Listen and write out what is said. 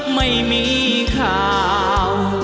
ไม่มีข่าว